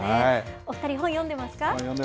お２人、本、読んでますか？